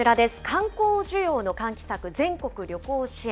観光需要の喚起策、全国旅行支援。